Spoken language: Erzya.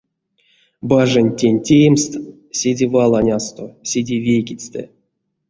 Бажинь тень теемс седе валанясто, седе вейкетьстэ.